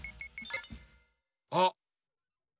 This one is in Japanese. あっ！